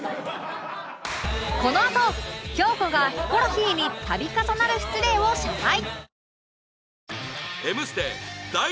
このあと京子がヒコロヒーに度重なる失礼を謝罪